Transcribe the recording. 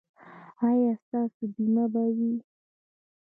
ایا ستاسو بیمه به وي؟